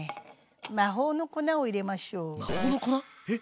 魔法の粉を入れましょう。